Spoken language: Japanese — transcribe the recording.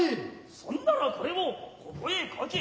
そんならこれをここへかけ。